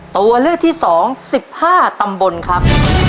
ตัวเลือดที่สองสิบห้าตำบลครับ